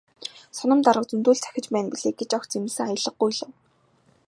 "Соном дарга зөндөө л юм захиж байна билээ" гэж огт зэмлэсэн аялгагүй хэлэв.